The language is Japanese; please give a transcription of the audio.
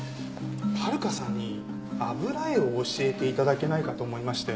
温香さんに油絵を教えて頂けないかと思いまして。